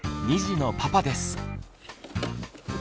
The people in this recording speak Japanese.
２児のパパです。